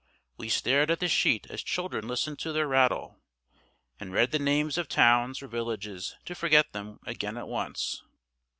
We stared at the sheet as children listen to their rattle; and read the names of towns or villages to forget them again at once.